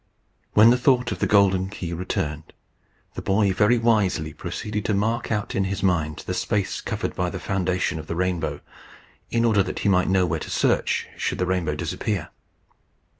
When the thought of the golden key returned, the boy very wisely proceeded to mark out in his mind the space covered by the foundation of the rainbow, in order that he might know where to search, should the rainbow disappear.